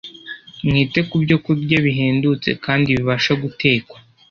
Mwite ku byokurya bihendutse kandi bibasha gutekwa